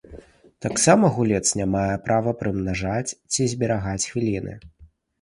Таксама гулец не мае права прымнажаць ці зберагаць хвіліны.